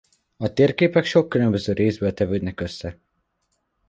A térképek sok különböző részből tevődnek össze.